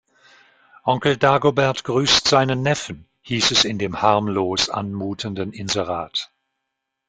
Onkel Dagobert grüßt seinen Neffen, hieß es in dem harmlos anmutenden Inserat.